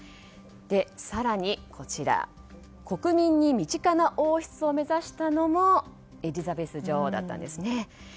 更に、国民に身近な王室を目指したのもエリザベス女王だったんですね。